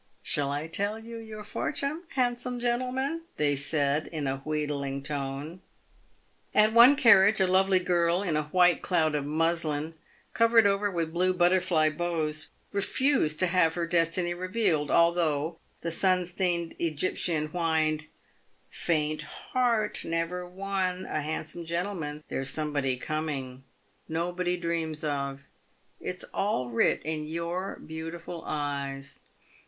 " Shall I tell you your fortune, handsome gentleman ?" they said, in a wheedling tone. At one carriage, a lovely girl, in a white cloud of muslin, covered over with blue butterfly bows, refused to have her destiny revealed, although the sun stained Egyptian whined, " Paint heart never won a handsome gentleman. There's somebody coming nobody dreams of. It's all writ in your beautiful eyes.